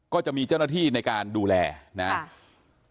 ก็จะมีเจ้าหน้าที่ในการดูแลนะครับ